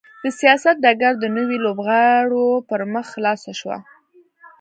د سیاست ډګر د نویو لوبغاړو پر مخ خلاص شو.